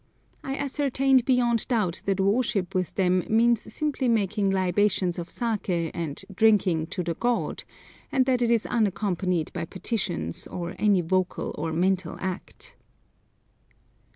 I ascertained beyond doubt that worship with them means simply making libations of saké and "drinking to the god," and that it is unaccompanied by petitions, or any vocal or mental act.